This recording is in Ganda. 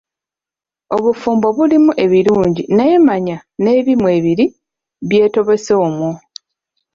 Obufumbo bulimu ebirungi naye manya n'ebibi mwebiri, byetobese omwo.